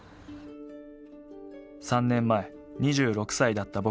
３年前２６歳だった